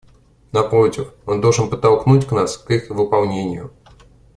Напротив, он должен подтолкнуть нас к их выполнению.